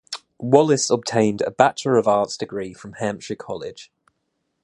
Wallace obtained a Bachelor of Arts degree from Hampshire College.